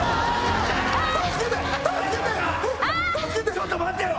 ちょっと待ってろ。